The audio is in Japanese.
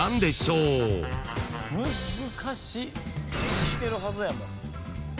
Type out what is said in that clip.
［では］してるはずやもん。